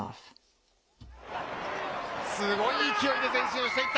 すごい勢いで前進をしていった。